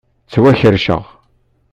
Ttwakerrceɣ.